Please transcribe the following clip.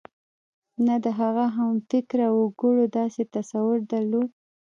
نه د هغه همفکره وګړو داسې تصور درلود.